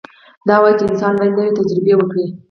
دا وایي چې انسان باید نوې تجربې وکړي.